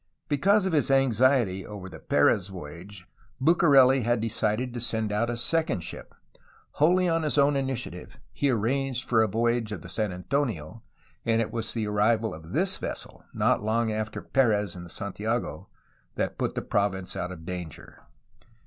Because of his anxiety over the Perez voyage Bucareli had decided to send out a second ship. Wholly on his own initiative he arranged for a voyage of the San Antonio, and it was the arrival of this vessel, not long after Perez in the Santiago, that put the province out of danger.